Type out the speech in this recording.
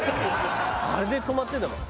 あれで止まってんだもん。